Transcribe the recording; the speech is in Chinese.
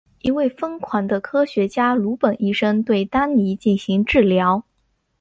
一位疯狂的科学家鲁本医生对丹尼进行治疗。